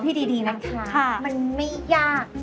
อ๋อดูที่ดีนะคะมันไม่ยาก